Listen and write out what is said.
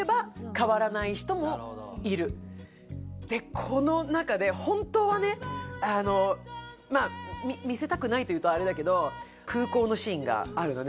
ただこの中で本当はね見せたくないというとあれだけどあるのね